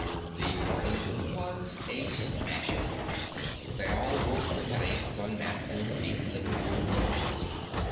The party was a smasher. They all woke with headaches on Matson's deep living room rug.